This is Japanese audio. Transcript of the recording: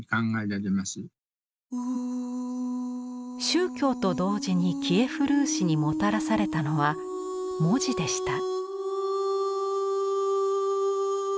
宗教と同時にキエフ・ルーシにもたらされたのは文字でした。